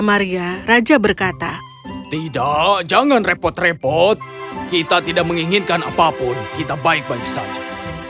maria raja berkata tidak jangan repot repot kita tidak menginginkan apapun kita baik baik saja